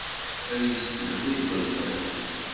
Ad yessedhu igerdan.